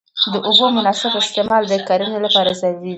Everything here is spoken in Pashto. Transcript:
د اوبو مناسب استعمال د کرنې لپاره ضروري دی.